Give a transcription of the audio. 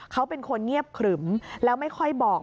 เขาเป็นคนเงียบขรึมแล้วไม่ค่อยบอก